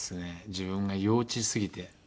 自分が幼稚すぎて。